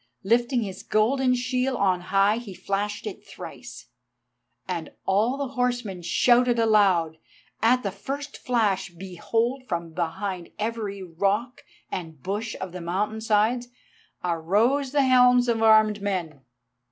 Lifting his golden shield on high he flashed it thrice, and all the horsemen shouted aloud. At the first flash, behold, from behind every rock and bush of the mountain sides arose the helms of armed men.